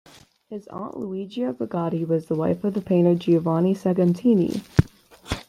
His aunt, Luigia Bugatti, was the wife of the painter Giovanni Segantini.